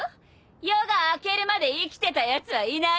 夜が明けるまで生きてたやつはいないわ！